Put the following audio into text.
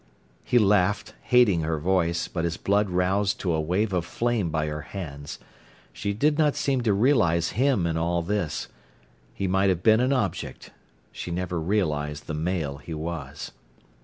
He laughed, hating her voice, but his blood roused to a wave of flame by her hands. She did not seem to realise him in all this. He might have been an object. She never realised the male he was.